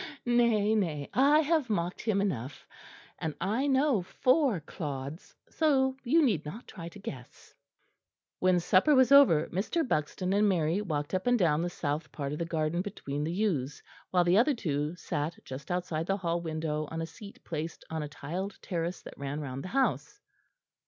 "Nay, nay, I have mocked him enough. And I know four Claudes, so you need not try to guess." When supper was over, Mr. Buxton and Mary walked up and down the south path of the garden between the yews, while the other two sat just outside the hall window on a seat placed on the tiled terrace that ran round the house.